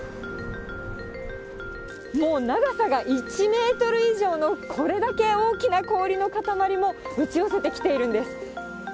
もう長さが１メートル以上のこれだけ大きな氷の塊も打ち寄せてきているんです。